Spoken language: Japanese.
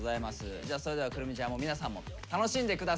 じゃあそれではくるみちゃんも皆さんも楽しんで下さい。